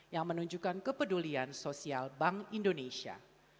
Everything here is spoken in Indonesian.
yang menunjukkan kepedulian sosial bank indonesia